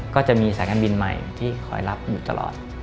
ก็จะมีสายการบินใหม่ที่คอยรับอยู่ตลอด